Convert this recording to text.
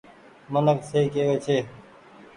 منک سئي ڪيوي ڇي۔